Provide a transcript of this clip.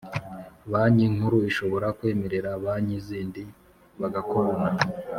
Banki Nkuru ishobora kwemerera banki zindi bagakorana.